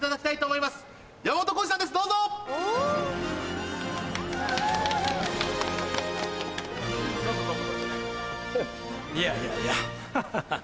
いやいやいやハハハ。